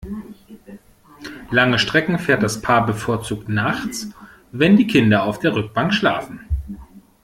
Lange Strecken fährt das Paar bevorzugt nachts, wenn die Kinder auf der Rückbank schlafen.